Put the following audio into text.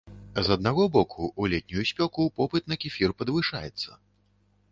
З аднаго боку, у летнюю спёку попыт на кефір падвышаецца.